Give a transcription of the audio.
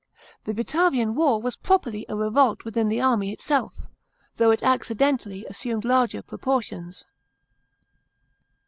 The Batavian war was properly a revolt within the army itself, though it accidentally assumed larger proportions.